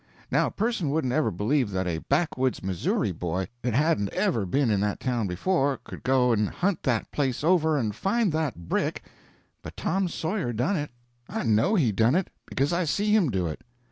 Now a person wouldn't ever believe that a backwoods Missouri boy that hadn't ever been in that town before could go and hunt that place over and find that brick, but Tom Sawyer done it. I know he done it, because I see him do it.